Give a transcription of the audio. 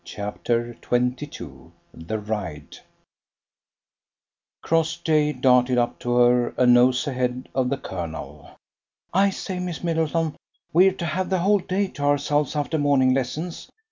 CHAPTER XXII THE RIDE Crossjay darted up to her a nose ahead of the colonel. "I say, Miss Middleton, we're to have the whole day to ourselves, after morning lessons.